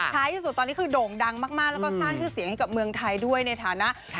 ท้ายที่สุดตอนนี้คือโด่งดังมากแล้วก็สร้างชื่อเสียงให้กับเมืองไทยด้วยในฐานะ